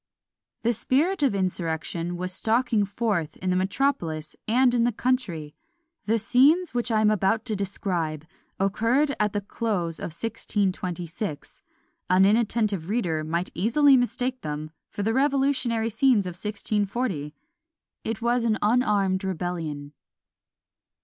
The spirit of insurrection was stalking forth in the metropolis and in the country. The scenes which I am about to describe occurred at the close of 1626: an inattentive reader might easily mistake them for the revolutionary scenes of 1640. It was an unarmed rebellion.